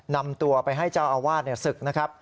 นำตัวไปให้เจ้าอาวาสศึกนะครับ